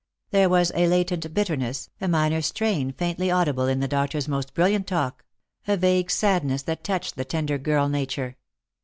There was a latent bitterness, a minor strain faintly audible in the doctor's most brilliant talk; a vague sadness that touched the tender girl nature.